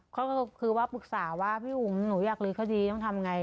ก็คือว่าปรึกษาว่าพี่อุ๋งหนูอยากลื้อคดีต้องทำไง